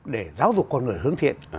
để giáo dục con người hướng thiện